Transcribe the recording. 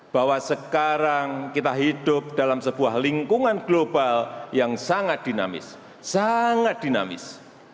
bahwa sekarang kita hidup dalam sebuah lingkungan global yang sangat dinamis sangat dinamis